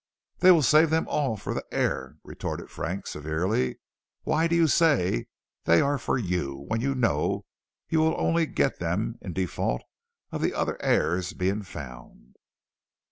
"They will save them all for the heir," retorted Frank, severely. "Why do you say they are for you, when you know you will only get them in default of other heirs being found."